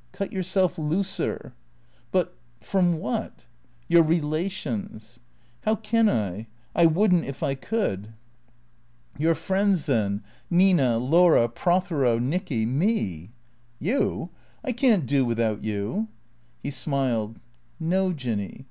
" Cut yourself looser." "But — from what?" " Your relations." " How can I. I would n't if I could." 346 T H E C E E A T 0 R S "■ Your friends, then — Nina, Laura, Prothero, Nicky — me." " You ? I can't do without you." He smiled. " No, Jinny.